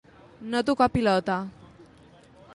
No tocar pilota.